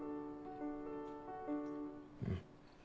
うん。